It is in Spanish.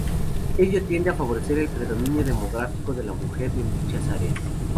Ello tiende a favorecer el predominio demográfico de la mujer en dichas áreas.